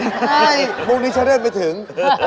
ใช่มุมนิเชอร์เลิศไม่ถึง